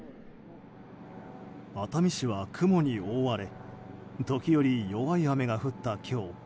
熱海市は雲に覆われ時折、弱い雨が降った今日。